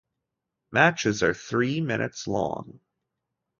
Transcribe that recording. Matches are three minutes long.